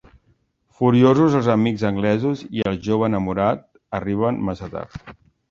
Furiosos, els amics anglesos i el jove enamorat arriben massa tard.